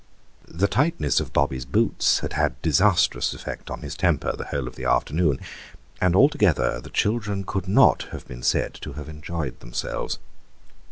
The tightness of Bobby's boots had had disastrous effect on his temper the whole of the afternoon, and altogether the children could not have been said to have enjoyed themselves.